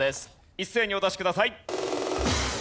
一斉にお出しください。